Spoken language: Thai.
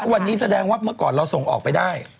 วันนี้แสดงว่าเมื่อก่อนเราส่งออกไปได้